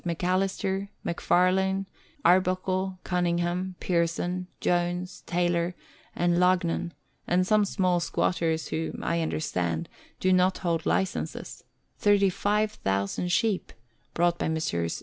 Macalister, Macfarlane, Arbuckle, Cunningham, Pearson, Jones, Taylor and Loughnan, and some small squatters who, I understand, do not hold licenses ; thirty five thousand sheep, brought by Messrs.